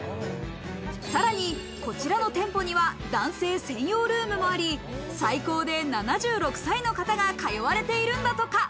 さらに、こちらの店舗には男性専用ルームもあり、最高で７６歳の方が通われているんだとか。